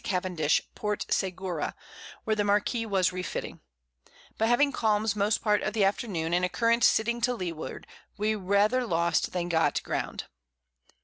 Cavendish_ Port Segura, where the Marquiss was refitting; but having Calms most part of the Afternoon, and a Current setting to Leeward, we rather lost than got ground.